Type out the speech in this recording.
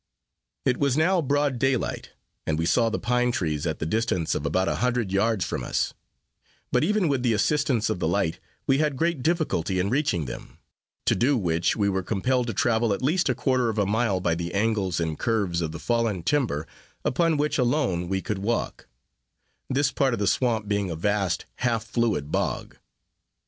It was now broad daylight, and we saw the pine trees, at the distance of about a hundred yards from us; but even with the assistance of the light, we had great difficulty in reaching them, to do which we were compelled to travel at least a quarter of a mile by the angles and curves of the fallen timber, upon which alone we could walk; this part of the swamp being a vast half fluid bog.